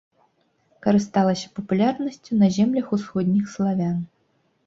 Карысталася папулярнасцю на землях усходніх славян.